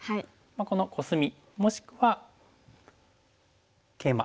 このコスミもしくはケイマ。